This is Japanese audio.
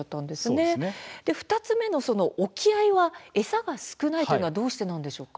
２つ目の沖合は餌が少ないというのはどうしてなんでしょうか。